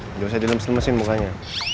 jangan bisa dilemesin lemesin mukanya